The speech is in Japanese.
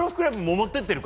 持ってってるわ！